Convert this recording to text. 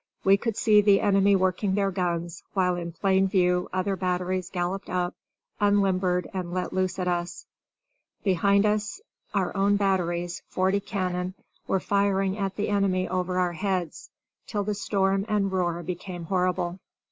We could see the enemy working their guns, while in plain view other batteries galloped up, unlimbered, and let loose at us. Behind us our own batteries (forty cannon) were firing at the enemy over our heads, till the storm and roar became horrible.